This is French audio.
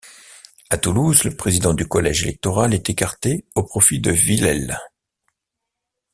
À Toulouse le président du collège électoral est écarté au profit de Villèle.